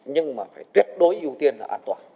nhưng mà phải tuyệt đối ưu tiên là an toàn